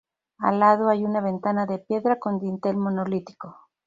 Al lado hay una ventana de piedra con dintel monolítico.